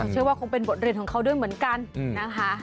เชื่อว่าคงเป็นบทเรียนของเขาด้วยเหมือนกันนะคะ